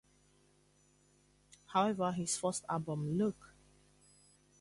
However, his first album, Look!